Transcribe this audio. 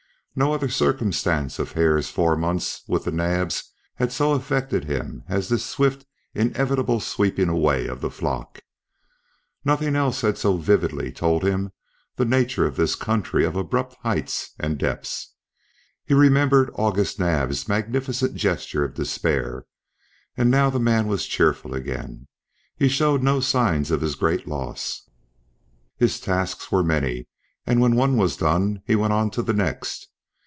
No other circumstance of Hare's four months with the Naabs had so affected him as this swift inevitable sweeping away of the flock; nothing else had so vividly told him the nature of this country of abrupt heights and depths. He remembered August Naab's magnificent gesture of despair; and now the man was cheerful again; he showed no sign of his great loss. His tasks were many, and when one was done, he went on to the next.